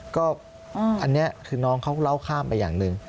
ก็อันนี้คือน้องเขาเล่าข้ามไปอย่างหนึ่ง